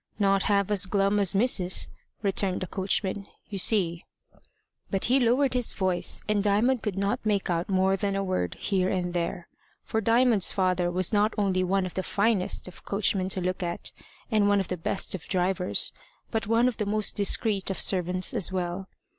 "Not half as glum as Mis'ess," returned the coachman. "You see " But he lowered his voice, and Diamond could not make out more than a word here and there. For Diamond's father was not only one of the finest of coachmen to look at, and one of the best of drivers, but one of the most discreet of servants as well.